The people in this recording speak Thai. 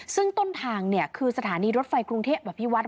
ซึ่งต้นทางเนี่ยคือสถานีรถไฟกรุงเทพอภิวัต